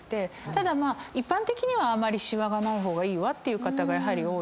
ただ一般的にはあまりシワがない方がいいわっていう方がやはり多い。